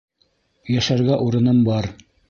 Йәшәргә урыным бар.